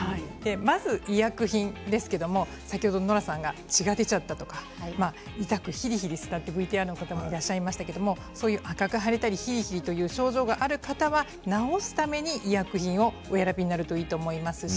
まず医薬品ですが先ほどのノラさんが血が出ちゃったとか痛くヒリヒリしたとＶＴＲでおっしゃってましたが赤く腫れたりヒリヒリという症状がある方には、治すために医薬品をお選びになるといいと思います。